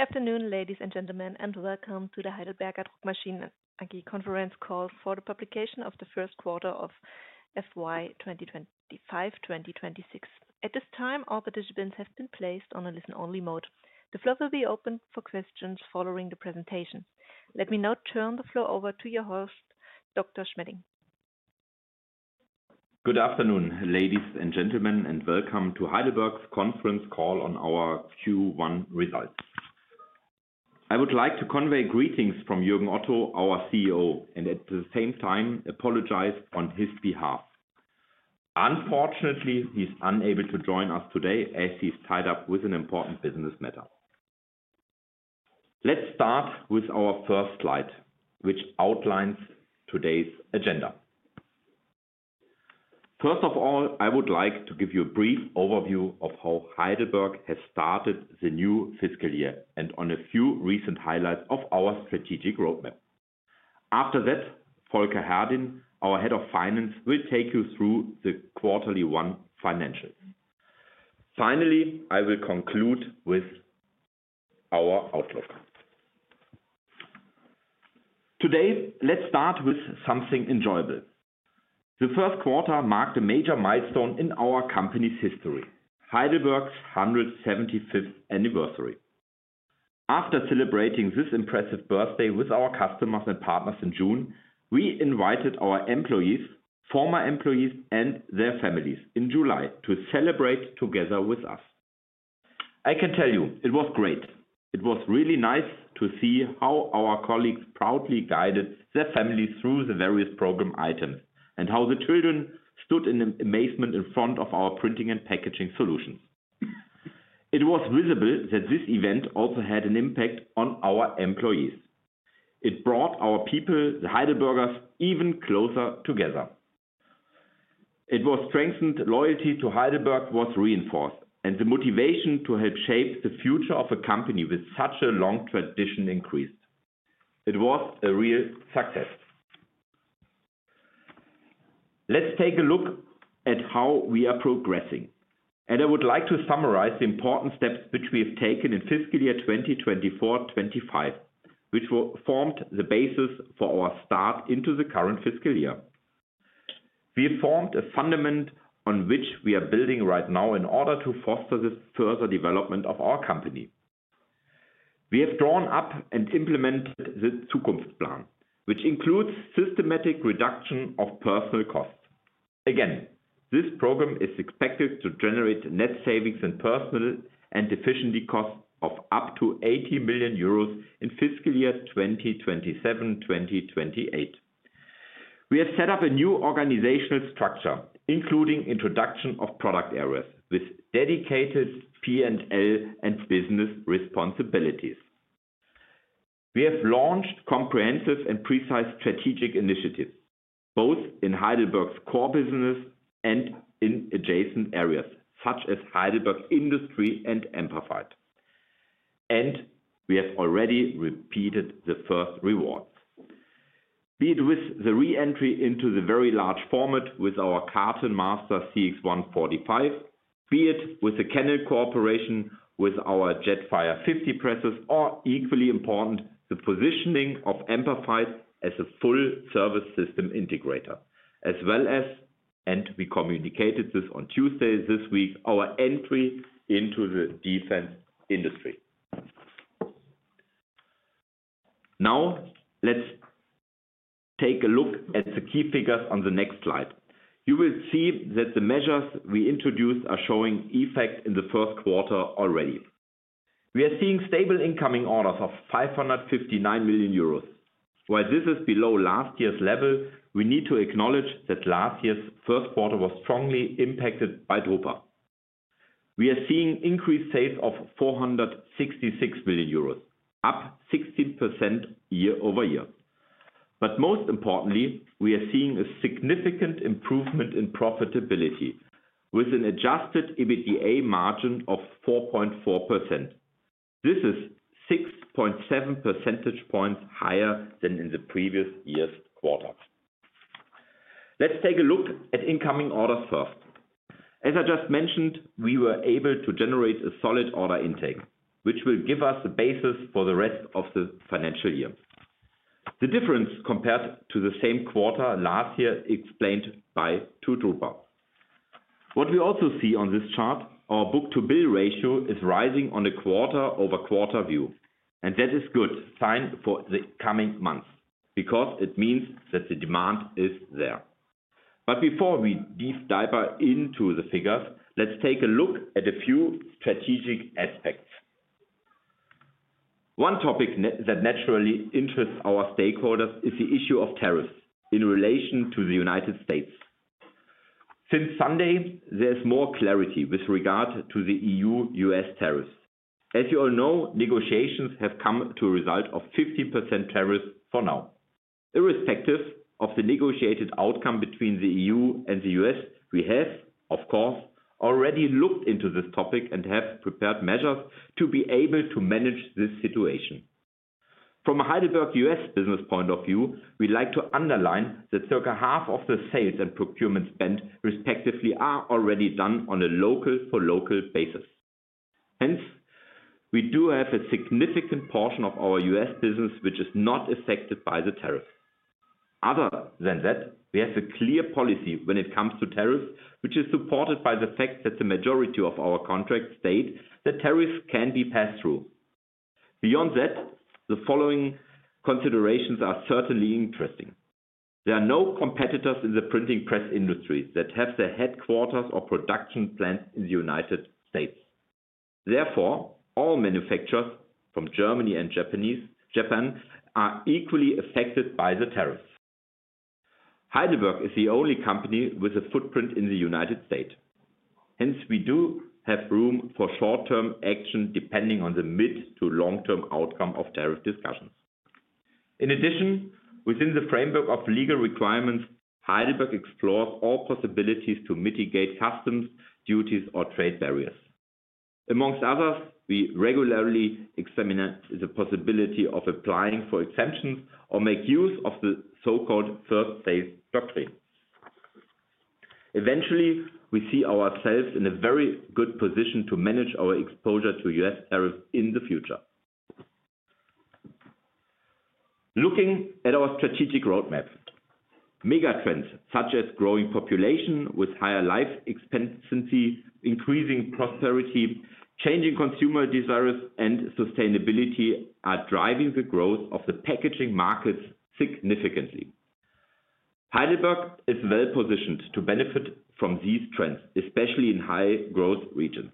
Good afternoon, ladies and gentlemen, and welcome to the Heidelberger Druckmaschinen AG conference call for the publication of the first quarter of FY 2025-2026. At this time, all participants have been placed on a listen-only mode. The floor will be open for questions following the presentation. Let me now turn the floor over to your host, Dr. Schmedding. Good afternoon, ladies and gentlemen, and welcome to Heidelberg's conference call on our Q1 results. I would like to convey greetings from Jürgen Otto, our CEO, and at the same time apologize on his behalf. Unfortunately, he's unable to join us today as he's tied up with an important business matter. Let's start with our first slide, which outlines today's agenda. First of all, I would like to give you a brief overview of how Heidelberg has started the new fiscal year and on a few recent highlights of our strategic roadmap. After that, Volker Herdin, our Head of Finance, will take you through the Q1 financials. Finally, I will conclude with our outlook. Today, let's start with something enjoyable. The first quarter marked a major milestone in our company's history: Heidelberg's 175th anniversary. After celebrating this impressive birthday with our customers and partners in June, we invited our employees, former employees, and their families in July to celebrate together with us. I can tell you, it was great. It was really nice to see how our colleagues proudly guided their families through the various program items and how the children stood in amazement in front of our printing and packaging solutions. It was visible that this event also had an impact on our employees. It brought our people, the Heidelbergers, even closer together. It was strengthened; loyalty to Heidelberg was reinforced, and the motivation to help shape the future of a company with such a long tradition increased. It was a real success. Let's take a look at how we are progressing. I would like to summarize the important steps which we have taken in fiscal year 2024-2025, which formed the basis for our start into the current fiscal year. We have formed a fundament on which we are building right now in order to foster the further development of our company. We have drawn up and implemented the Zukunftsplan, which includes a systematic reduction of personnel costs. Again, this program is expected to generate net savings in personnel and efficiency costs of up to 80 million euros in fiscal years 2027-2028. We have set up a new organizational structure, including the introduction of product areas with dedicated P&L and business responsibilities. We have launched comprehensive and precise strategic initiatives, both in Heidelberg's core business and in adjacent areas, such as Heidelberg Industry and Amperfied. We have already reaped the first rewards, be it with the re-entry into the very large format with our Cartonmaster CX 145, be it with the Canon cooperation with our Jetfire 50 presses, or equally important, the positioning of Amperfied as a full-service system integrator, as well as, and we communicated this on Tuesday this week, our entry into the defense industry. Now, let's take a look at the key figures on the next slide. You will see that the measures we introduced are showing effects in the first quarter already. We are seeing stable incoming orders of 559 million euros. While this is below last year's level, we need to acknowledge that last year's first quarter was strongly impacted by drupa. We are seeing increased sales of 466 million euros, up 16% year-over-year. Most importantly, we are seeing a significant improvement in profitability with an adjusted EBITDA margin of 4.4%. This is 6.7 percentage points higher than in the previous year's quarters. Let's take a look at incoming orders first. As I just mentioned, we were able to generate a solid order intake, which will give us a basis for the rest of the financial year. The difference compared to the same quarter last year is explained by two drupa. What we also see on this chart, our book-to-bill ratio is rising on a quarter-over-quarter view, and that is a good sign for the coming months because it means that the demand is there. Before we deep dive into the figures, let's take a look at a few strategic aspects. One topic that naturally interests our stakeholders is the issue of tariffs in relation to the United States. Since Sunday, there's more clarity with regard to the E.U.-U.S. tariffs. As you all know, negotiations have come to a result of 15% tariffs for now. Irrespective of the negotiated outcome between the E.U. and the U.S., we have, of course, already looked into this topic and have prepared measures to be able to manage this situation. From a Heidelberg U.S. business point of view, we'd like to underline that circa half of the sales and procurement spend respectively are already done on a local-for-local basis. Hence, we do have a significant portion of our U.S. business which is not affected by the tariffs. Other than that, we have a clear policy when it comes to tariffs, which is supported by the fact that the majority of our contracts state that tariffs can be passed through. Beyond that, the following considerations are certainly interesting. There are no competitors in the printing press industry that have their headquarters or production plants in the United States. Therefore, all manufacturers from Germany and Japan are equally affected by the tariffs. Heidelberg is the only company with a footprint in the United States. Hence, we do have room for short-term action depending on the mid-to-long-term outcome of tariff discussions. In addition, within the framework of legal requirements, Heidelberg explores all possibilities to mitigate customs, duties, or trade barriers. Among others, we regularly examine the possibility of applying for exemptions or make use of the so-called third-place doctrine. Eventually, we see ourselves in a very good position to manage our exposure to U.S. tariffs in the future. Looking at our strategic roadmap, megatrends such as growing population with higher life expectancy, increasing prosperity, changing consumer desires, and sustainability are driving the growth of the packaging markets significantly. Heidelberg is well-positioned to benefit from these trends, especially in high-growth regions.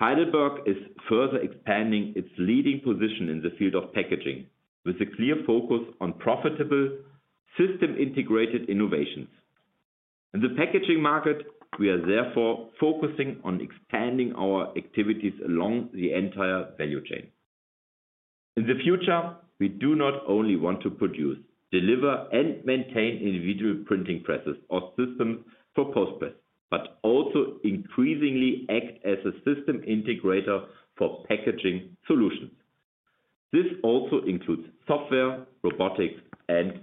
Heidelberg is further expanding its leading position in the field of packaging with a clear focus on profitable, system-integrated innovations. In the packaging market, we are therefore focusing on expanding our activities along the entire value chain. In the future, we do not only want to produce, deliver, and maintain individual printing presses or systems for postpress, but also increasingly act as a system integrator for packaging solutions. This also includes software, robotics, and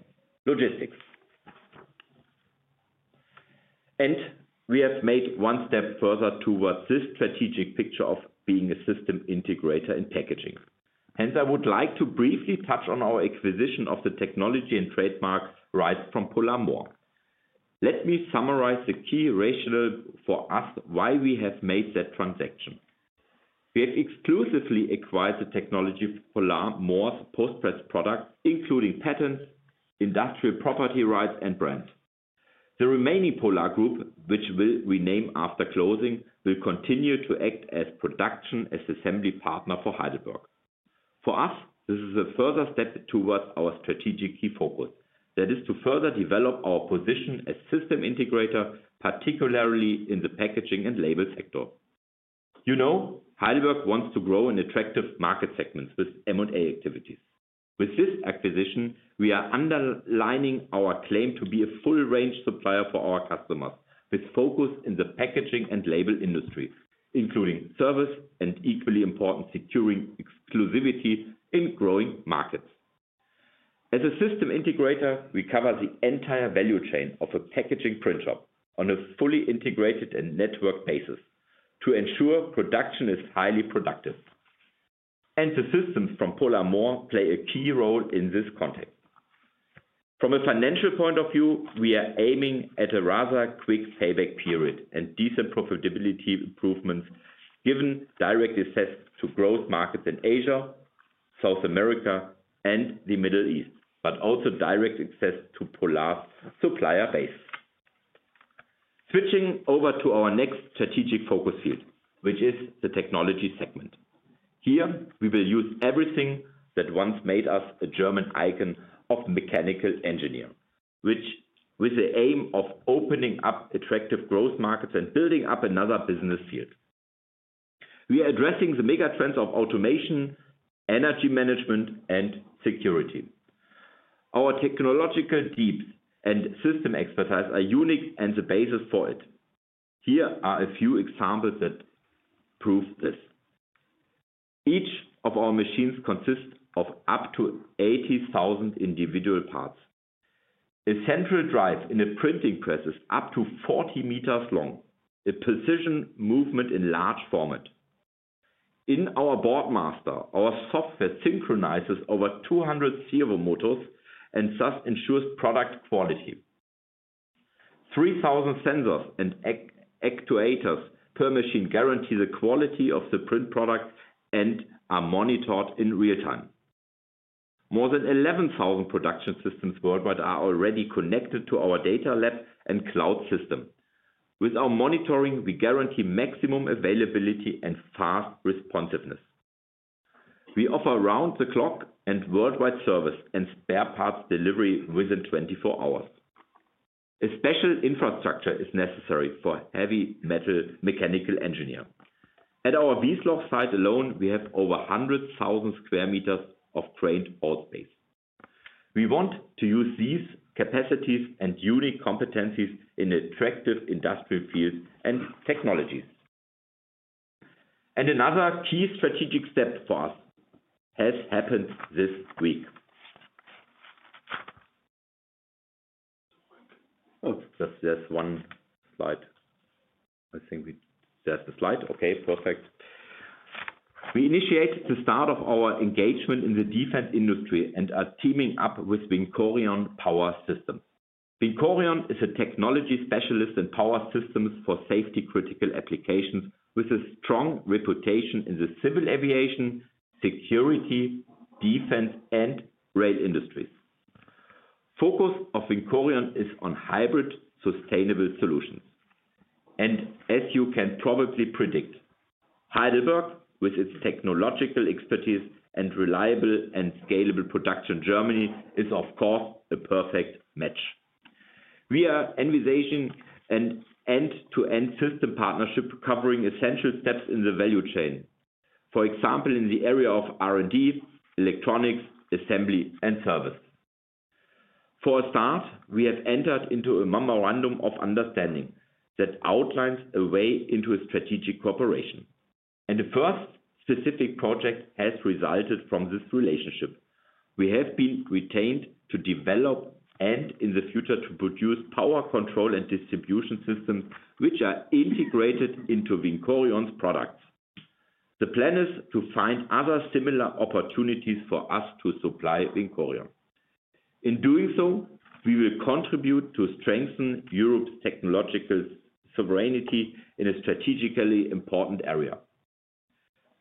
logistics. We have made one step further towards this strategic picture of being a system integrator in packaging. Hence, I would like to briefly touch on our acquisition of the technology and trademark rights from Polar Mohr. Let me summarize the key rationale for us why we have made that transaction. We have exclusively acquired the technology of Polar Mohr's postpress product, including patents, industrial property rights, and brands. The remaining Polar Group, which we'll rename after closing, will continue to act as a production and assembly partner for Heidelberg. For us, this is a further step towards our strategic key focus, that is to further develop our position as a system integrator, particularly in the packaging and label sector. You know, Heidelberg wants to grow in attractive market segments with M&A activities. With this acquisition, we are underlining our claim to be a full-range supplier for our customers with focus in the packaging and label industry, including service and equally important securing exclusivity in growing markets. As a system integrator, we cover the entire value chain of a packaging printer on a fully integrated and networked basis to ensure production is highly productive. The systems from Polar Mohr play a key role in this context. From a financial point of view, we are aiming at a rather quick payback period and decent profitability improvements given direct access to growth markets in Asia, South America, and the Middle East, but also direct access to Polar's supplier base. Switching over to our next strategic focus field, which is the technology segment. Here, we will use everything that once made us a German icon of mechanical engineering, with the aim of opening up attractive growth markets and building up another business field. We are addressing the megatrends of automation, energy management, and security. Our technological depth and system expertise are unique and the basis for it. Here are a few examples that prove this. Each of our machines consists of up to 80,000 individual parts. A central drive in a printing press is up to 40 m long, a precision movement in large format. In our Boardmaster, our software synchronizes over 200 servo motors and thus ensures product quality. 3,000 sensors and actuators per machine guarantee the quality of the print products and are monitored in real time. More than 11,000 production systems worldwide are already connected to our data lab and cloud system. With our monitoring, we guarantee maximum availability and fast responsiveness. We offer round-the-clock and worldwide service and spare parts delivery within 24 hours. A special infrastructure is necessary for heavy metal mechanical engineering. At our Wiesloch site alone, we have over 100,000 sq m of crane hold space. We want to use these capacities and unique competencies in attractive industrial fields and technologies. Another key strategic step for us has happened this week. Oh, that's one slide. I think we have the slide. Okay, perfect. We initiated the start of our engagement in the defense industry and are teaming up with Vincorion Power Systems. Vincorion is a technology specialist in power systems for safety-critical applications with a strong reputation in the civil aviation, security, defense, and rail industries. The focus of Vincorion is on hybrid sustainable solutions. As you can probably predict, Heidelberg, with its technological expertise and reliable and scalable production in Germany, is of course a perfect match. We are envisioning an end-to-end system partnership covering essential steps in the value chain, for example, in the area of R&D, electronics, assembly, and service. For a start, we have entered into a memorandum of understanding that outlines a way into a strategic cooperation. The first specific project has resulted from this relationship. We have been retained to develop and in the future to produce power control and distribution systems, which are integrated into Vincorion's products. The plan is to find other similar opportunities for us to supply Vincorion. In doing so, we will contribute to strengthen Europe's technological sovereignty in a strategically important area.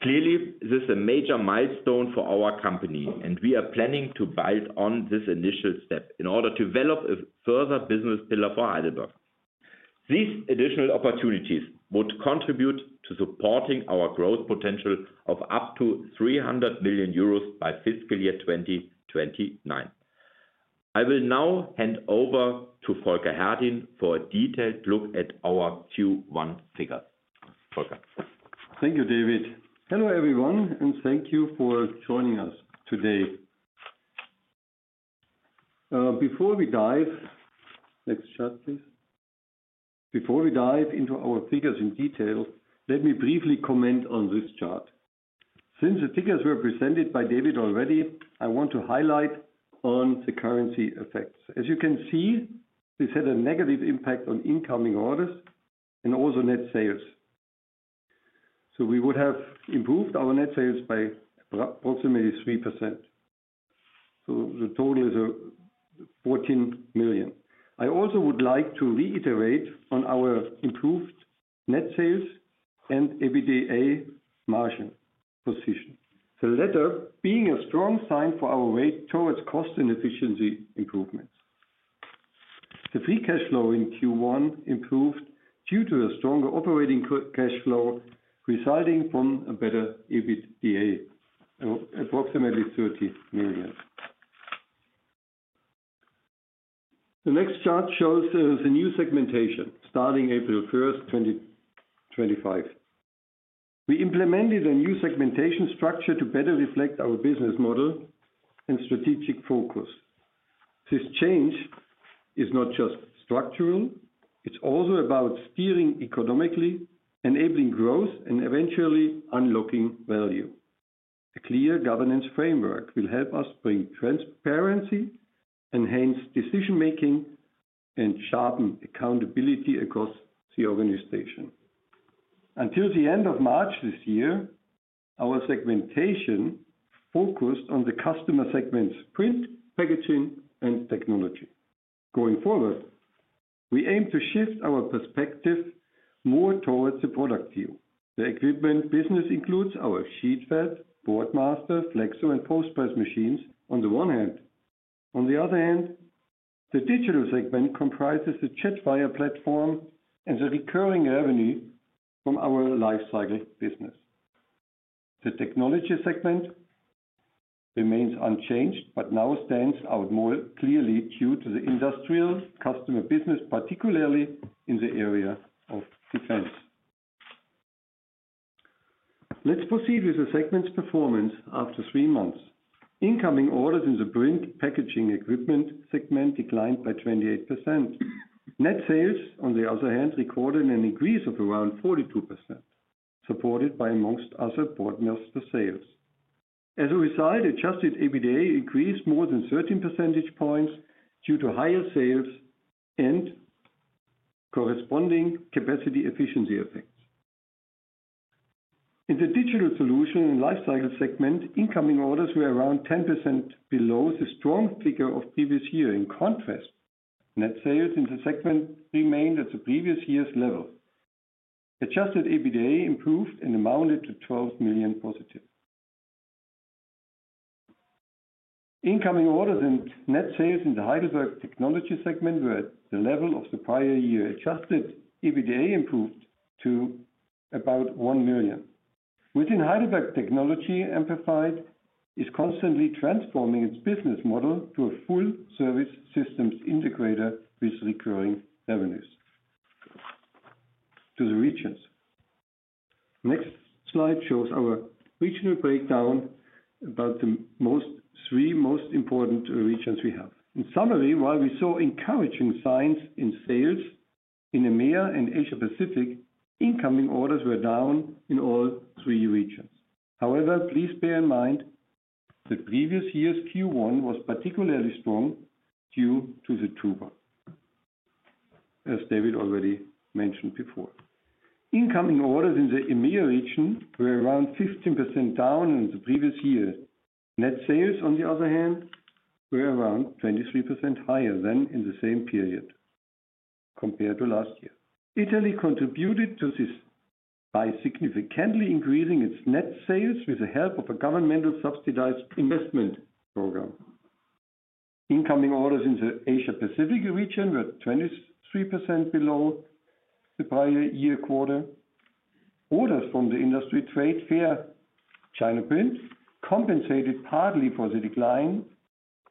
Clearly, this is a major milestone for our company, and we are planning to build on this initial step in order to develop a further business pillar for Heidelberg. These additional opportunities would contribute to supporting our growth potential of up to 300 million euros by fiscal year 2029. I will now hand over to Volker Herdin for a detailed look at our Q1 figures. Volker. Thank you, David. Hello everyone, and thank you for joining us today. Next chart, please. Before we dive into our figures in detail, let me briefly comment on this chart. Since the figures were presented by David already, I want to highlight the currency effects. As you can see, this had a negative impact on incoming orders and also net sales. We would have improved our net sales by approximately 3%. The total is 14 million. I also would like to reiterate on our improved net sales and EBITDA margin position, the latter being a strong sign for our rate towards cost and efficiency improvements. The free cash flow in Q1 improved due to a stronger operating cash flow resulting from a better EBITDA, approximately EUR 30 million. The next chart shows the new segmentation starting April 1st, 2025. We implemented a new segmentation structure to better reflect our business model and strategic focus. This change is not just structural, it's also about steering economically, enabling growth, and eventually unlocking value. A clear governance framework will help us bring transparency, enhance decision-making, and sharpen accountability across the organization. Until the end of March this year, our segmentation focused on the customer segments: print, packaging, and technology. Going forward, we aim to shift our perspective more towards the product view. The equipment business includes our Sheetfed, Boardmaster, flexo, and postpress machines on the one hand. On the other hand, the digital segment comprises the Jetfire platform and the recurring revenue from our lifecycle business. The technology segment remains unchanged but now stands out more clearly due to the industrial customer business, particularly in the area of defense. Let's proceed with the segment's performance after three months. Incoming orders in the print packaging equipment segment declined by 28%. Net sales, on the other hand, recorded an increase of around 42%, supported by, amongst other, Boardmaster sales. As a result, adjusted EBITDA increased more than 13 percentage points due to higher sales and corresponding capacity efficiency effects. In the digital solution and lifecycle segment, incoming orders were around 10% below the strong figure of the previous year. In contrast, net sales in the segment remained at the previous year's level. Adjusted EBITDA improved and amounted to 12 million positive. Incoming orders and net sales in the Heidelberg technology segment were at the level of the prior year. Adjusted EBITDA improved to about 1 million. Within Heidelberg, Technology Amperfied is constantly transforming its business model to a full-service systems integrator with recurring revenues. To the regions, the next slide shows our regional breakdown about the three most important regions we have. In summary, while we saw encouraging signs in sales in EMEA and Asia-Pacific, incoming orders were down in all three regions. However, please bear in mind that the previous year's Q1 was particularly strong due to the TUBA, as David already mentioned before. Incoming orders in the EMEA region were around 15% down in the previous year. Net sales, on the other hand, were around 23% higher than in the same period compared to last year. Italy contributed to this by significantly increasing its net sales with the help of a governmental subsidized investment program. Incoming orders in the Asia-Pacific region were 23% below the prior year quarter. Orders from the industry trade fair China Print compensated partly for the decline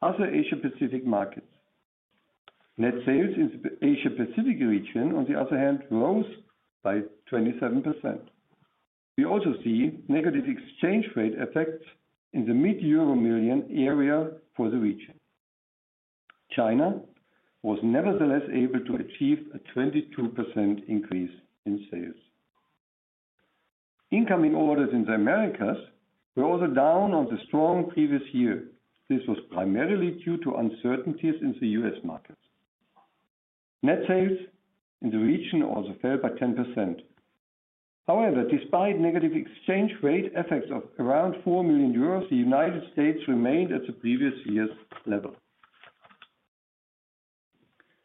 in other Asia-Pacific markets. Net sales in the Asia-Pacific region, on the other hand, rose by 27%. We also see negative exchange rate effects in the mid-EUR million area for the region. China was nevertheless able to achieve a 22% increase in sales. Incoming orders in the Americas were also down on the strong previous year. This was primarily due to uncertainties in the U.S. markets. Net sales in the region also fell by 10%. However, despite negative exchange rate effects of around 4 million euros, the United States remained at the previous year's level.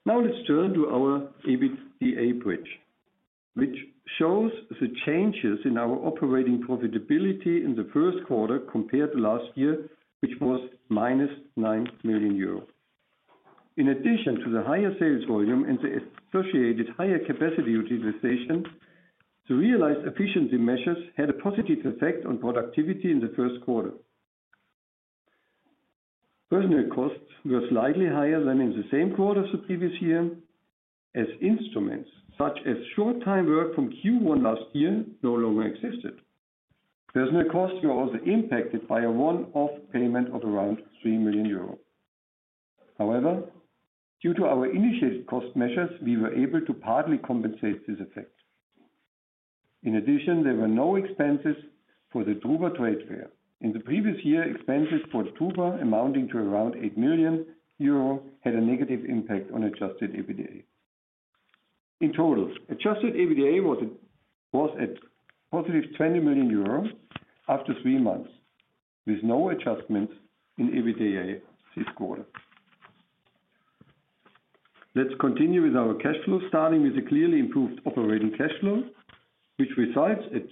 Now let's turn to our EBITDA bridge, which shows the changes in our operating profitability in the first quarter compared to last year, which was -9 million euro. In addition to the higher sales volume and the associated higher capacity utilization, the realized efficiency measures had a positive effect on productivity in the first quarter. Personnel costs were slightly higher than in the same quarter as the previous year, as instruments such as short-time work from Q1 last year no longer existed. Personnel costs were also impacted by a one-off payment of around 3 million euros. However, due to our initiated cost measures, we were able to partly compensate this effect. In addition, there were no expenses for the drupa trade fair. In the previous year, expenses for the TUBA amounting to around 8 million euro had a negative impact on adjusted EBITDA. In total, adjusted EBITDA was at +20 million euros after three months, with no adjustments in EBITDA this quarter. Let's continue with our cash flow, starting with a clearly improved operating cash flow, which results at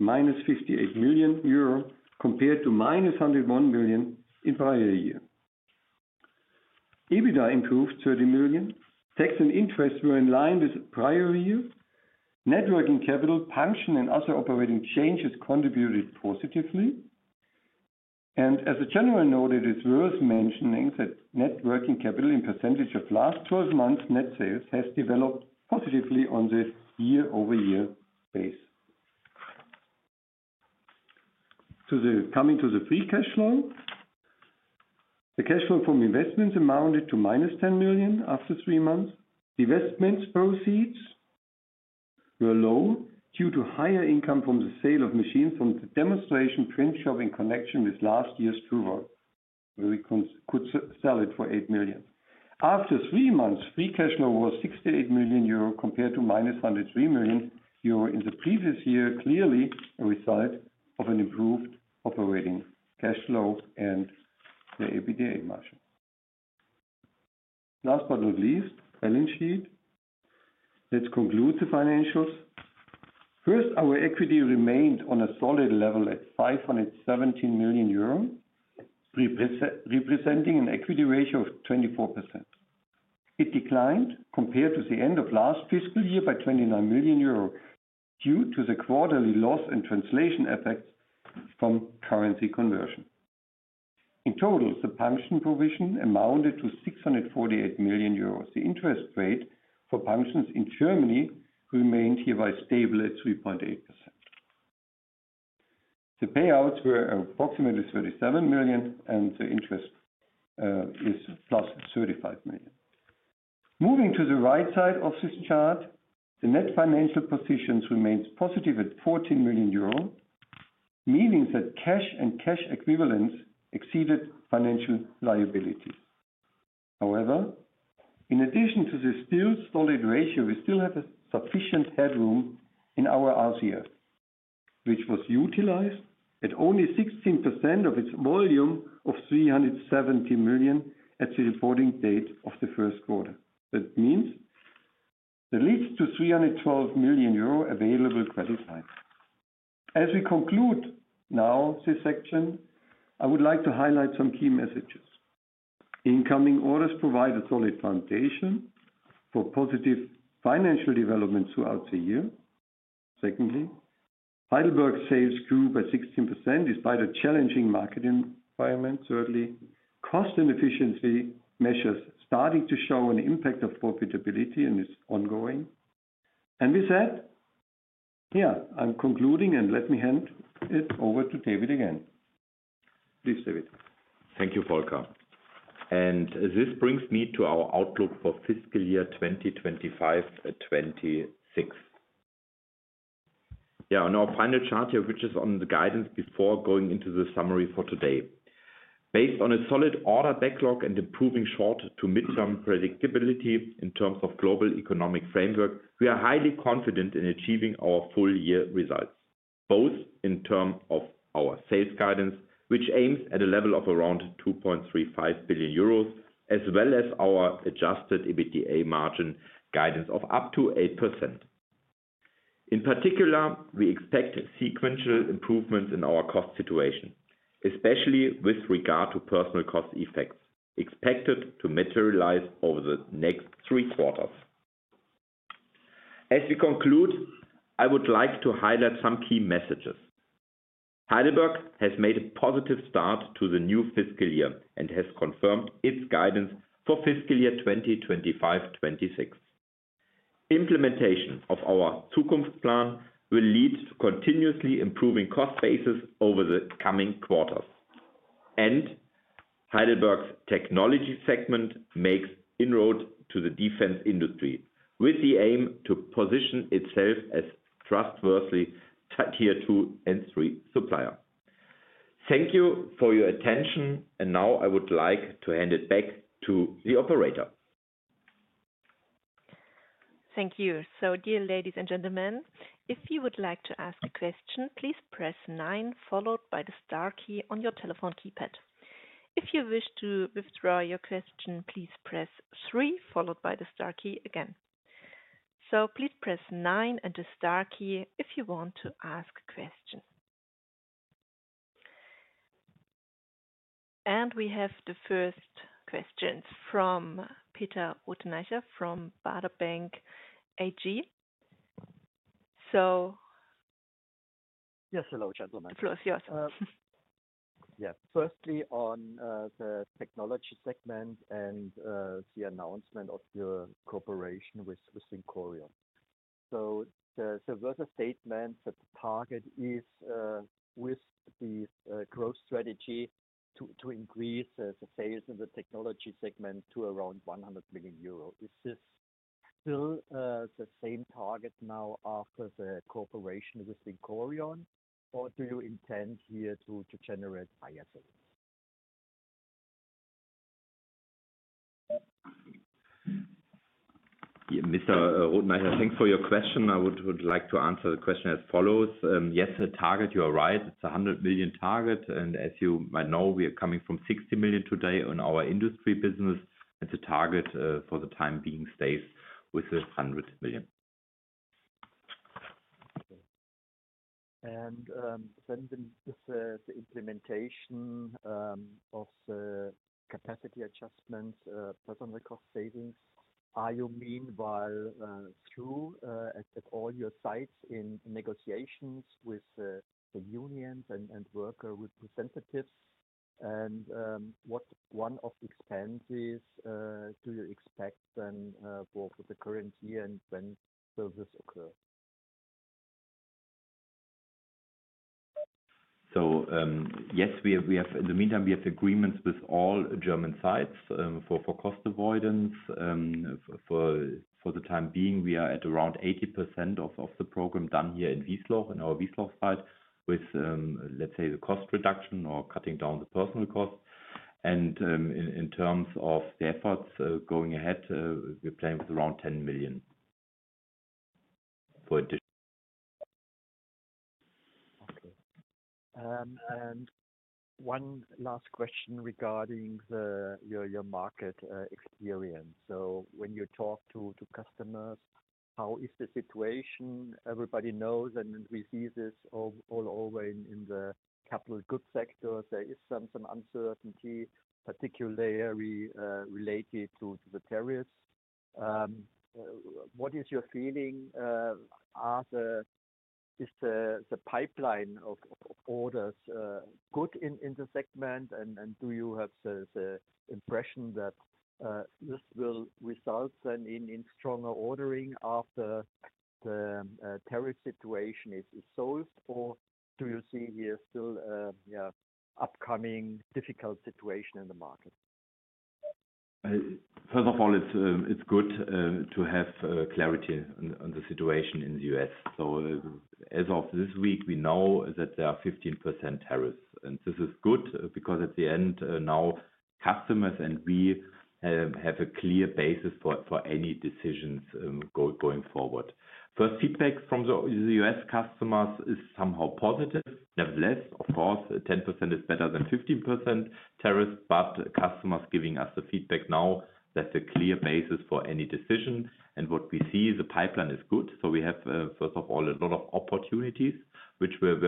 -58 million euro compared to -101 million in the prior year. EBITDA improved 30 million. Tax and interest were in line with the prior year. Net working capital, punction, and other operating changes contributed positively. As a general note, it is worth mentioning that net working capital in percentage of last 12 months net sales has developed positively on the year-over-year basis. Coming to the free cash flow, the cash flow from investments amounted to -10 million after three months. Investment proceeds were low due to higher income from the sale of machines from the demonstration print shop in connection with last year's TUBA, where we could sell it for 8 million. After three months, free cash flow was 68 million euro compared to -103 million euro in the previous year, clearly a result of an improved operating cash flow and the EBITDA margin. Last but not least, balance sheet. Let's conclude the financials. First, our equity remained on a solid level at 517 million euros, representing an equity ratio of 24%. It declined compared to the end of last fiscal year by 29 million euro due to the quarterly loss and translation effects from currency conversion. In total, the punction provision amounted to 648 million euros. The interest rate for punctions in Germany remained hereby stable at 3.8%. The payouts were approximately 37 million, and the interest is +35 million. Moving to the right side of this chart, the net financial positions remained positive at 14 million euro, meaning that cash and cash equivalents exceeded financial liability. However, in addition to this still solid ratio, we still have sufficient headroom in our RCF, which was utilized at only 16% of its volume of 370 million at the reporting date of the first quarter. That means that leads to 312 million euro available qualified. As we conclude now this section, I would like to highlight some key messages. The incoming orders provide a solid foundation for positive financial developments throughout the year. Secondly, Heidelberg sales grew by 16% despite a challenging marketing environment. Thirdly, cost and efficiency measures are starting to show an impact on profitability, and it's ongoing. With that, I'm concluding, and let me hand it over to David again. Please, David. Thank you, Volker. This brings me to our outlook for fiscal year 2025-2026. On our final chart here, which is on the guidance before going into the summary for today, based on a solid order backlog and improving short-to-midterm predictability in terms of global economic framework, we are highly confident in achieving our full-year results, both in terms of our sales guidance, which aims at a level of around 2.35 billion euros, as well as our adjusted EBITDA margin guidance of up to 8%. In particular, we expect sequential improvements in our cost situation, especially with regard to personnel cost effects expected to materialize over the next three quarters. As we conclude, I would like to highlight some key messages. Heidelberg has made a positive start to the new fiscal year and has confirmed its guidance for fiscal year 2025-2026. Implementation of our Zukunftsplan will lead to continuously improving cost bases over the coming quarters. Heidelberg's technology segment makes inroads to the defense industry with the aim to position itself as a trustworthy tier two and three supplier. Thank you for your attention, and now I would like to hand it back to the operator. Thank you. Dear ladies and gentlemen, if you would like to ask a question, please press nine, followed by the star key on your telephone keypad. If you wish to withdraw your question, please press three, followed by the star key again. Please press nine and the star key if you want to ask a question. We have the first questions from Peter Rothenaicher from Baader Bank AG. Yes, hello gentlemen. The floor is yours. Yeah, firstly on the technology segment and the announcement of the cooperation with Vincorion. There's a statement that the target is with the growth strategy to increase the sales in the technology segment to around 100 million euro. Is this still the same target now after the cooperation with Vincorion, or do you intend here to generate higher sales? Yeah, Mr. Rothenaicher, thanks for your question. I would like to answer the question as follows. Yes, the target, you are right, it's a 100 million target. As you might know, we are coming from 60 million today on our industry business, and the target for the time being stays with 100 million. Okay. With the implementation of the capacity adjustments, personal cost savings, are you meanwhile through at all your sites in negotiations with the unions and worker representatives? What one of the expenses do you expect then for the current year and when will this occur? Yes, we have, in the meantime, agreements with all German sites for cost avoidance. For the time being, we are at around 80% of the program done here in Wiesloch and our Wiesloch site with, let's say, the cost reduction or cutting down the personnel cost. In terms of the efforts going ahead, we're playing with around 10 million. One last question regarding your market experience. When you talk to customers, how is the situation? Everybody knows, and we see this all over in the capital goods sector, there is some uncertainty, particularly related to the tariffs. What is your feeling? Is the pipeline of orders good in the segment? Do you have the impression that this will result in stronger ordering after the tariff situation is solved? Do you see here still an upcoming difficult situation in the market? First of all, it's good to have clarity on the situation in the U.S. As of this week, we know that there are 15% tariffs. This is good because, at the end, now customers and we have a clear basis for any decisions going forward. First, feedback from the U.S. customers is somehow positive. Nevertheless, of course, 10% is better than 15% tariffs. Customers are giving us the feedback now, that's a clear basis for any decision. What we see, the pipeline is good. We have, first of all, a lot of opportunities, which were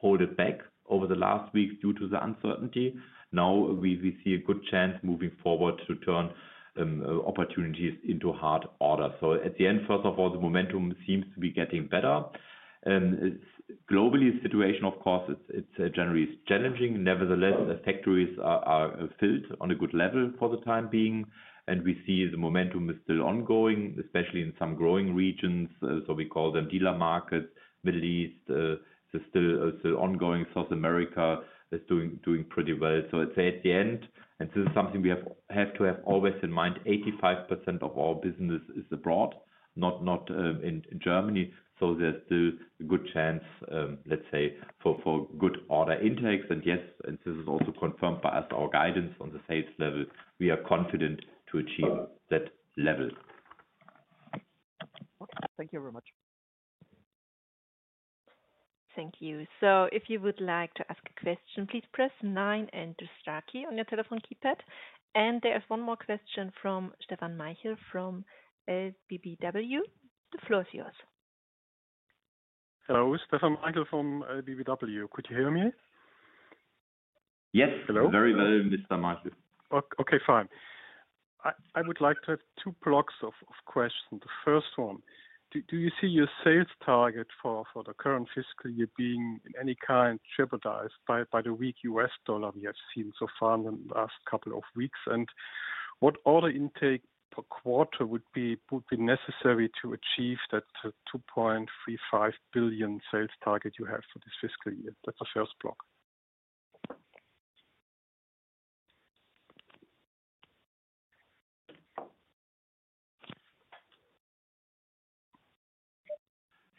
held back over the last weeks due to the uncertainty. Now, we see a good chance moving forward to turn opportunities into hard orders. At the end, first of all, the momentum seems to be getting better. Globally, the situation, of course, is generally challenging. Nevertheless, the factories are filled on a good level for the time being. We see the momentum is still ongoing, especially in some growing regions. We call them dealer markets, Middle East. It's still ongoing. South America is doing pretty well. I'd say at the end, and this is something we have to have always in mind, 85% of our business is abroad, not in Germany. There's still a good chance, let's say, for good order intakes. Yes, and this is also confirmed by our guidance on the sales level. We are confident to achieve that level. Thank you very much. Thank you. If you would like to ask a question, please press nine and the star key on your telephone keypad. There is one more question from Stefan Maichl from LBBW. The floor is yours. Hello, Stefan Maichl from LBBW. Could you hear me? Yes, hello. Very well, Mr. Maichl. Okay, fine. I would like to have two blocks of questions. The first one, do you see your sales target for the current fiscal year being in any kind of jeopardy by the weak U.S. dollar we have seen so far in the last couple of weeks? What order intake per quarter would be necessary to achieve that 2.35 billion sales target you have for this fiscal year? That's the first block.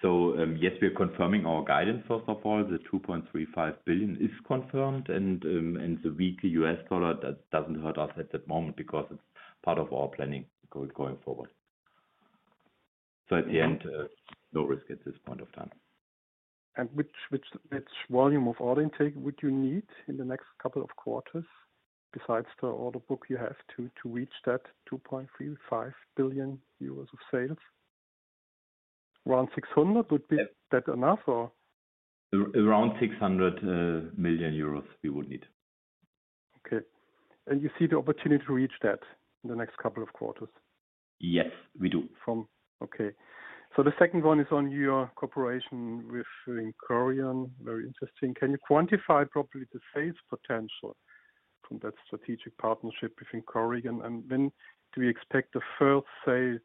Yes, we are confirming our guidance. First of all, the 2.35 billion is confirmed. The weak U.S. dollar doesn't hurt us at that moment because it's part of our planning going forward. At the end, no risk at this point of time. Which volume of order intake would you need in the next couple of quarters, besides the order book you have, to reach that 2.35 billion euros of sales? Around 600 million, would that be enough, or? Around 600 million euros we would need. Do you see the opportunity to reach that in the next couple of quarters? Yes, we do. Okay. The second one is on your cooperation with Vincorion. Very interesting. Can you quantify properly the sales potential from that strategic partnership with Vincorion? When do we expect the first sales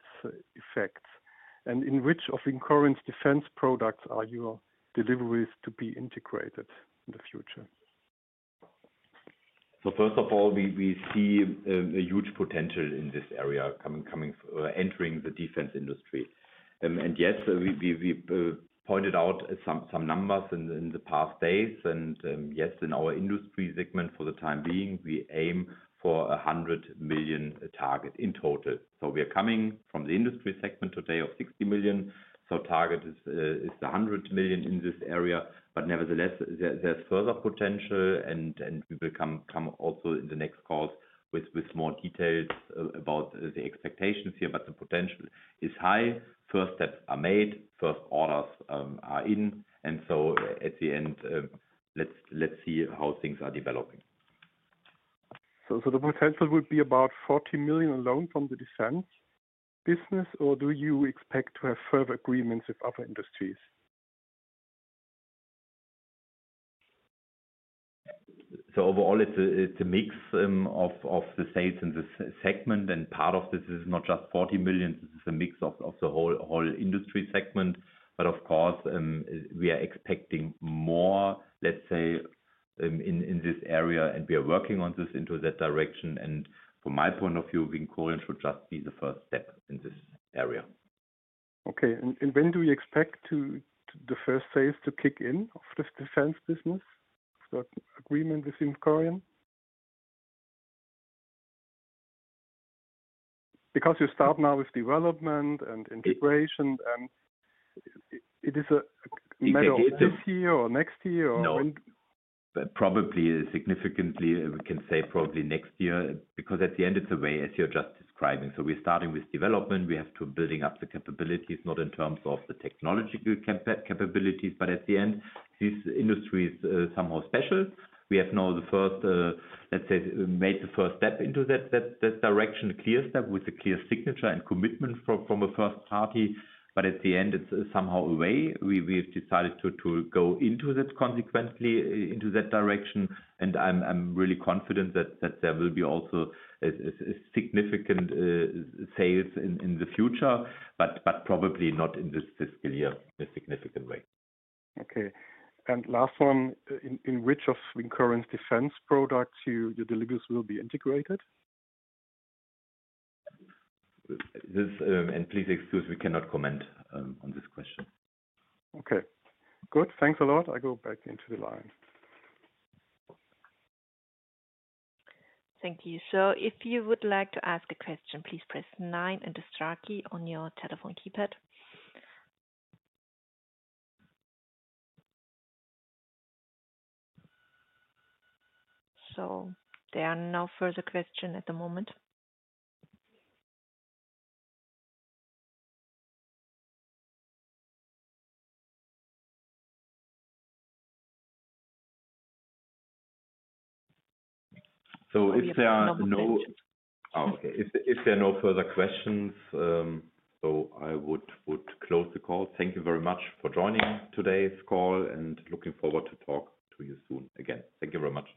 effects? In which of Vincorion's defense products are your deliveries to be integrated in the future? First of all, we see a huge potential in this area coming from entering the defense industry. Yes, we pointed out some numbers in the past days. In our industry segment for the time being, we aim for a 100 million target in total. We are coming from the industry segment today of 60 million. The target is 100 million in this area. Nevertheless, there's further potential. We will come also in the next calls with more details about the expectations here. The potential is high. First steps are made. First orders are in. At the end, let's see how things are developing. The potential would be about 40 million alone from the defense-related business. Do you expect to have further agreements with other industries? Overall, it's a mix of the sales in this segment. Part of this is not just 40 million. This is a mix of the whole industry segment. Of course, we are expecting more, let's say, in this area. We are working on this in that direction. From my point of view, Vincorion should just be the first step in this area. Okay. When do you expect the first sales to kick in of the defense-related business? You've got an agreement with Vincorion because you start now with development and integration. Is it a matter of this year or next year? No, probably significantly, we can say probably next year. Because at the end, it's a way, as you're just describing. We're starting with development. We have to build up the capabilities, not in terms of the technological capabilities. At the end, this industry is somehow special. We have now made the first step into that direction, a clear step with a clear signature and commitment from a first party. At the end, it's somehow a way. We've decided to go into that consequently, into that direction. I'm really confident that there will be also significant sales in the future. Probably not in this fiscal year in a significant way. Okay. Last one, in which of Vincorion's defense-related business products will your deliveries be integrated? Please excuse, we cannot comment on this question. Okay. Good. Thanks a lot. I go back into the line. Thank you. If you would like to ask a question, please press nine and the star key on your telephone keypad. There are no further questions at the moment. If there are no further questions, I would close the call. Thank you very much for joining today's call and looking forward to talking to you soon again. Thank you very much.